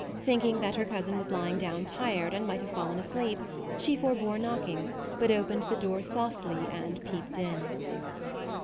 Thinking that her cousin was lying down tired and might have fallen asleep, she forebore MAUDE 65 knocking, but opened the door softly and peeped in.